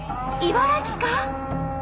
茨城か？